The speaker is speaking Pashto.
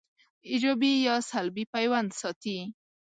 ایجابي یا سلبي پیوند ساتي